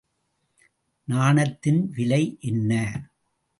நாணத்தின் விலை என்ன?